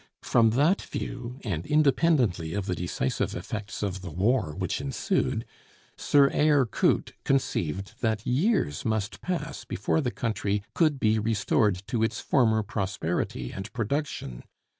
From that view, and independently of the decisive effects of the war which ensued, Sir Eyre Coote conceived that years must pass before the country could be restored to its former prosperity and production.